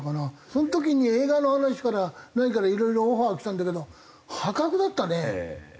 その時に映画の話から何からいろいろオファーきたんだけど破格だったね。